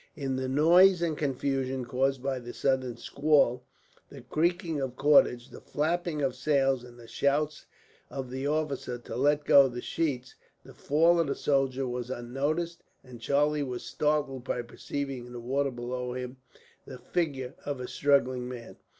In the noise and confusion, caused by the sudden squall, the creaking of cordage, the flapping of sails, and the shouts of the officer to let go the sheets, the fall of the soldier was unnoticed; and Charlie was startled by perceiving, in the water below him, the figure of a struggling man.